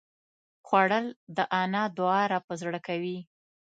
خوړل د انا دعا راپه زړه کوي